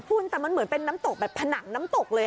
คุณแต่มันเหมือนเป็นน้ำตกแบบผนังน้ำตกเลย